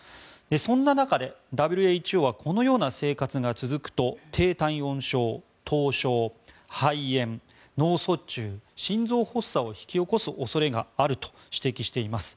そんな中で、ＷＨＯはこのような生活が続くと低体温症、凍傷、肺炎脳卒中、心臓発作を引き起こす恐れがあると指摘しています。